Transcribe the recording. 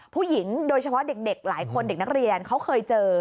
โดยเฉพาะเด็กหลายคนเด็กนักเรียนเขาเคยเจอ